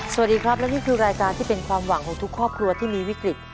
สวัสดีครับและนี่คือรายการที่เป็นความหวังของทุกครอบครัวที่มีวิกฤต